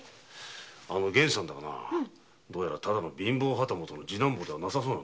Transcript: あの源さんだがなただの貧乏旗本の次男坊ではなさそうなんだ。